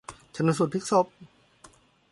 ชันสูตรพลิกศพ